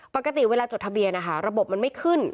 ปกติเวลาจดทะเบียนนะคะระบบมันไม่ขึ้น